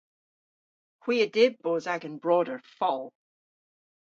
Hwi a dyb bos agan broder fol.